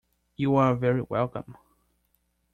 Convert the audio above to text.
You are very welcome.